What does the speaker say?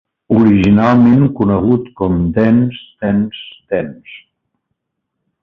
Originalment conegut com Dance, Dance, Dance!